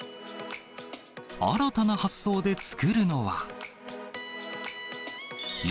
新たな発想で作るのは。